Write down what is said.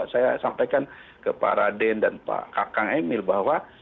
saya sampaikan ke pak raden dan pak kang emil bahwa